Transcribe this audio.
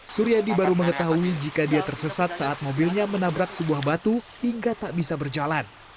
suryadi baru mengetahui jika dia tersesat saat mobilnya menabrak sebuah batu hingga tak bisa berjalan